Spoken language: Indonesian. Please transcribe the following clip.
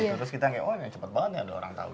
terus kita kayak oh ini cepet banget nih orang tau